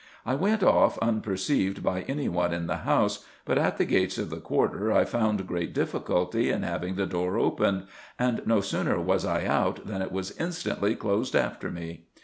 I went off unperceived by any one in the house ; but at the gates of the quarter I found great difficulty in having the door opened ; and no sooner was I out, than it was instantly closed after me.